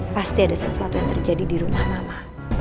pasti ada sesuatu yang terjadi di rumah mama